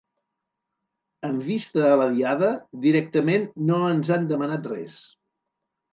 Amb vista a la Diada, directament no ens han demanat res.